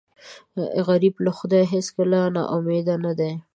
غریب له خدایه هېڅکله نا امیده نه دی